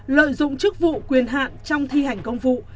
lợi dụng chức vụ quyền hạn trong thi hành công vụ